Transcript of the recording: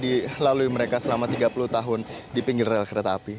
dilalui mereka selama tiga puluh tahun di pinggir rel kereta api